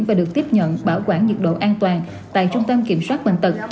và được tiếp nhận bảo quản nhiệt độ an toàn tại trung tâm kiểm soát bệnh tật